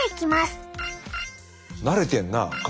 慣れてんな彼。